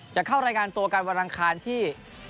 จะเข้ารายการตัวกันวันอังคารที่